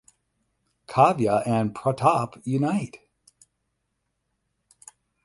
Kavya and Pratap unite.